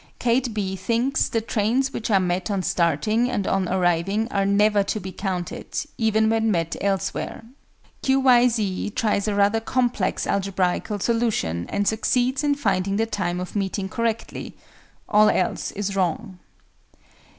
KATE B. thinks the trains which are met on starting and on arriving are never to be counted, even when met elsewhere. Q. Y. Z. tries a rather complex algebraical solution, and succeeds in finding the time of meeting correctly: all else is wrong.